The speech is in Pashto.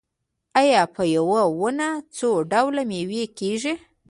آیا په یوه ونه څو ډوله میوه کیږي؟